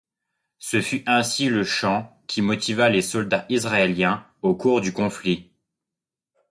Ce fut ainsi le chant qui motiva les soldats israéliens au cours du conflit.